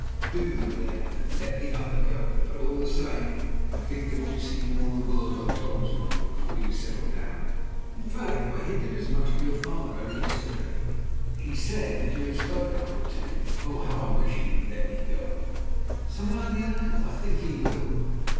Do them, then, and let the other go. But all the same, I think you ought to see more of the world I've told you of before you settle down. In fact, I hinted as much to your father only yesterday." "He said that you had spoken of it to him. Oh, how I wish he would let me go!" "Somehow, d'you know, I think he will."